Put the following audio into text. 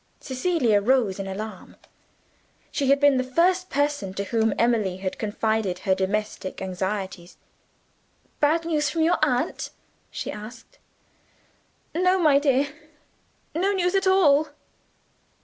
Cecilia rose in alarm. She had been the first person to whom Emily had confided her domestic anxieties. "Bad news from your aunt?" she asked. "No, my dear; no news at all."